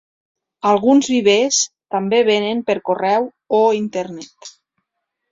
Alguns vivers també venen per correu o internet.